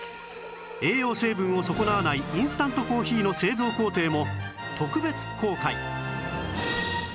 栄養成分を損なわないインスタントコーヒーの製造工程も特別公開！